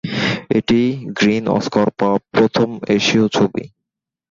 এটিই green Oscar পাওয়া প্রথম এশীয় ছবি।